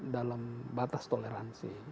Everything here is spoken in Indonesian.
dalam batas toleransi